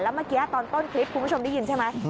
เมื่อกี้ตอนต้นคลิปคุณผู้ชมได้ยินใช่ไหม